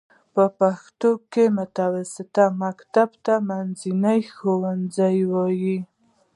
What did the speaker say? په پښتو کې متوسطه مکتب ته منځنی ښوونځی وايي.